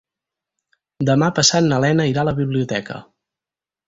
Demà passat na Lena irà a la biblioteca.